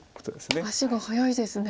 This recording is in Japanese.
足が早いですね。